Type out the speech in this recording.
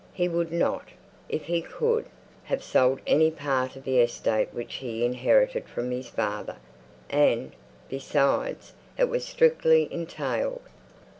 He would not, if he could, have sold any part of the estate which he inherited from his father; and, besides, it was strictly entailed.